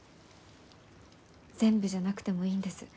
全部じゃなくてもいいんです。